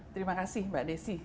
terima kasih mbak desy